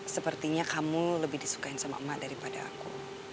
sepertinya kamu lebih disukain sama emak daripada aku